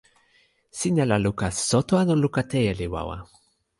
sina la luka soto anu luka teje li wawa?